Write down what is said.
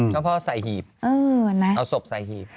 ก็เพราะว่าใส่หีบเอาศพใส่หีบ